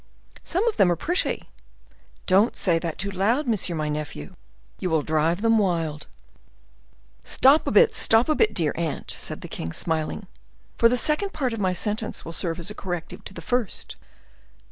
"Some of them are pretty." "Don't say that too loud, monsieur my nephew; you will drive them wild." "Stop a bit, stop a bit, dear aunt!" said the king, smiling; "for the second part of my sentence will serve as a corrective to the first.